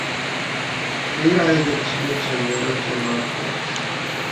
এর আয়োজক ছিল চ্যান্ডলার চেম্বার অ্যান্ড কমার্স।